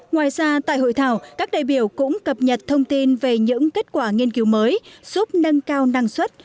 ngoài ra tại hội thảo các đại biểu cũng cập nhật thông tin về những kết quả nghiên cứu mới giúp nâng cao năng suất